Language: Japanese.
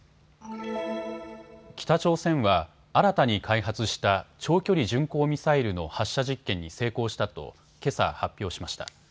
北朝鮮は新たに開発した長距離巡航ミサイルの発射実験に成功したとけさ発表しました。